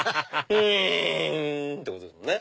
ウイン！ってことですもんね。